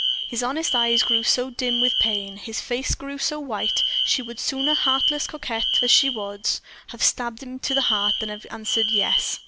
His honest eyes grew so dim with pain his face grew so white she would sooner, heartless coquette as she was, have stabbed him to the heart than have answered "Yes."